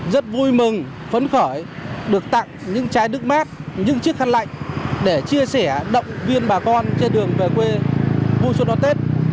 rất vui mừng phấn khởi được tặng những chai nước mát những chiếc khăn lạnh để chia sẻ động viên bà con trên đường về quê vui suốt đón tết